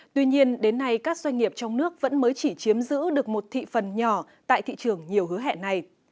tuy nhiên đến nay các doanh nghiệp trong nước vẫn mới chỉ chiếm giữ được một thị phần nhỏ tại thị trường nhiều hứa hẹn này